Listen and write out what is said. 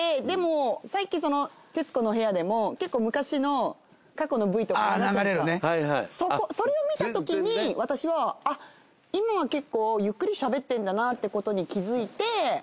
でも最近『徹子の部屋』でも結構昔の過去のＶとか。流れるね。それを見たときに私はあっ今は結構ゆっくりしゃべってるんだなってことに気付いて。